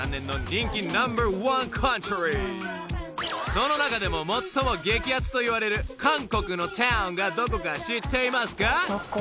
［その中でも最も激アツといわれる韓国のタウンがどこか知っていますか？］